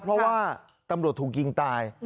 เพราะว่าตำรวจถูกยิงตาย